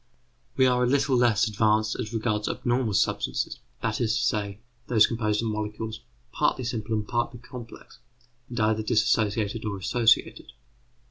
We are a little less advanced as regards abnormal substances; that is to say, those composed of molecules, partly simple and partly complex, and either dissociated or associated.